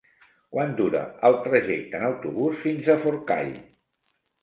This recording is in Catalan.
Quant dura el trajecte en autobús fins a Forcall?